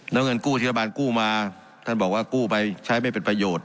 แล้วเงินกู้ที่รัฐบาลกู้มาท่านบอกว่ากู้ไปใช้ไม่เป็นประโยชน์